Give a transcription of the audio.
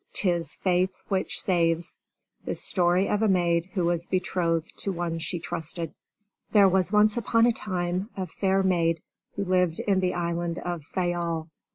'TIS FAITH WHICH SAVES The Story of a Maid Who Was Betrothed to One She Trusted There was once upon a time a fair maid who lived in the island of Fayal.